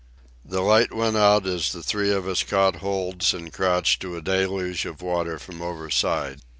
The light went out as the three of us caught holds and crouched to a deluge of water from overside.